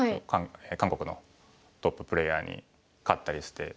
韓国のトッププレーヤーに勝ったりして。